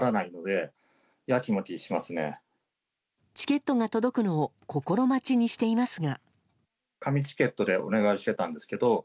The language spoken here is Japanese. チケットが届くのを心待ちにしていますが。